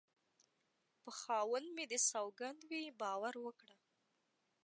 په خاوند مې دې سوگند وي باور وکړه